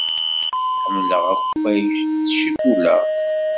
Ḥemmleɣ akeffay s ccikula.